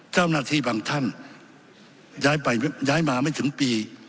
เจ้าหน้าที่บางท่านย้ายไปย้ายมาไม่ถึงปี